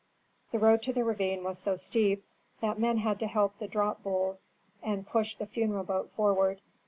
The road to the ravine was so steep that men had to help the draught bulls, and push the funeral boat forward.